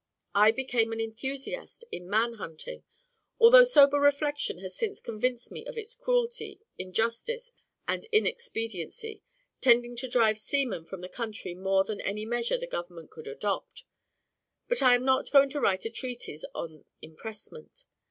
I became an enthusiast in man hunting, although sober reflection has since convinced me of its cruelty, injustice, and inexpediency, tending to drive seamen from the country more than any measure the government could adopt; but I am not going to write a treatise on impressment.